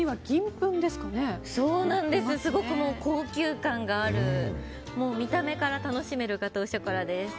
すごく高級感がある見た目から楽しめるガトーショコラです。